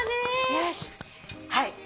よしはい。